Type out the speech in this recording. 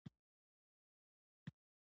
که خدمت ښه وي، پیرودونکی پخپله تبلیغ کوي.